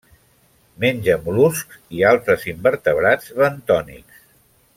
Menja mol·luscs i altres invertebrats bentònics.